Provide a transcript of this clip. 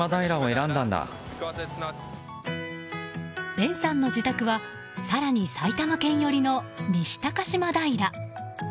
ベンさんの自宅は更に埼玉県寄りの西高島平。